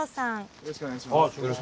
よろしくお願いします。